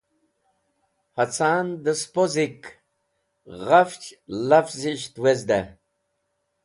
Hacan dẽ spo sik ghafch lavzisht wezdẽ.